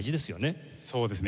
そうですね。